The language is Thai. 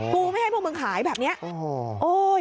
กูไม่ให้พวกมึงขายแบบเนี้ยโอ้โห